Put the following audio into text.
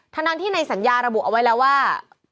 ทั้งที่ในสัญญาระบุเอาไว้แล้วว่า